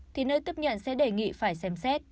thì nơi tiếp nhận sẽ đề nghị phải xem xét